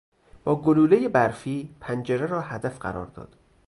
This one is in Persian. با گلولهی برفی پنجره را هدف قرار داد.